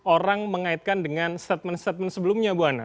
orang mengaitkan dengan statement statement sebelumnya buwana